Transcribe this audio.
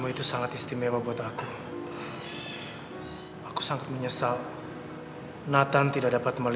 itu yang bikin dia unik di mata aku mah